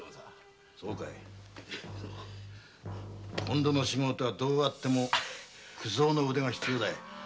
今度の仕事にはどうしても九蔵の腕が必要だ。